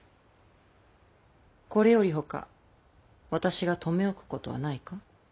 これよりほか私が留め置くことはないか？